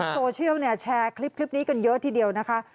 โซเชียลแชร์คลิปนี้กันเยอะทีเดียวนะคะ